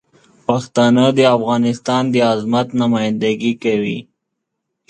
پښتانه د افغانستان د عظمت نمایندګي کوي.